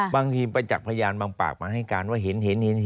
บางทีไปจากพยานบางปากมาให้การว่าเห็น